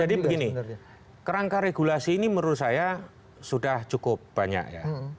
jadi begini kerangka regulasi ini menurut saya sudah cukup banyak ya